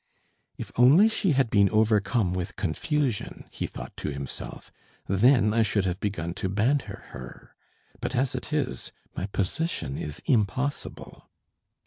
"If only she had been overcome with confusion," he thought to himself, "then I should have begun to banter her. But as it is, my position is impossible."